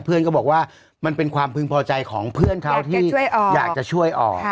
เพื่อนก็บอกว่ามันเป็นความพึงพอใจของเพื่อนเขาที่อยากจะช่วยออก